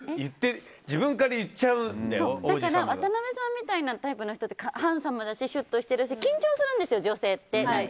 自分から言っちゃうんだよ渡邊さんみたいなタイプの人ってハンサムだしシュッとしてるし緊張するんですよ、女性って。